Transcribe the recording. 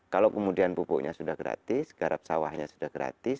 kalau kemudian pupuknya sudah gratis garap sawahnya sudah gratis